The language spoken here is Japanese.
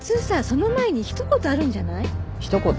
その前にひと言あるんじゃない？ひと言？